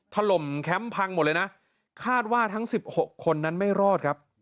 ถล่มแคมป์พังหมดเลยนะคาดว่าทั้ง๑๖คนนั้นไม่รอดครับ